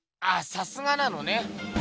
あさすがなのね。